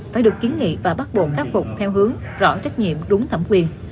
phải được kiến nghị và bắt buộc khắc phục theo hướng rõ trách nhiệm đúng thẩm quyền